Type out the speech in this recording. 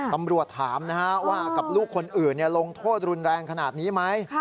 ตำรวจถามว่ากับลูกคนอื่นลงโทษรุนแรงขนาดนี้ไหม